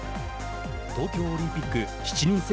東京オリンピック７人制